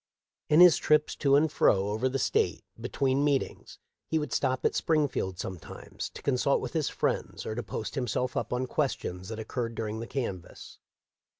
In his trips to and fro over the State, between meetings, he would stop at Springfield sometimes, to consult with his friends or to post himself up on questions that occurred during the canvass.